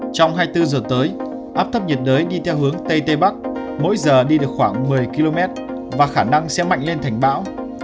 trong hai mươi bốn giờ tới áp thấp nhiệt đới đi theo hướng tây tây bắc mỗi giờ đi được khoảng một mươi km và khả năng sẽ mạnh lên thành bão